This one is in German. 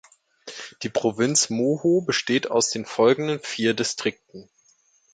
Die Provinz Moho besteht aus den folgenden vier Distrikten.